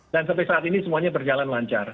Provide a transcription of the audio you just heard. dan sampai saat ini semuanya berjalan lancar